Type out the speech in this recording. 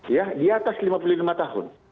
ya di atas lima puluh lima tahun